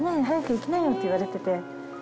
早く行きなよ」って言われてて。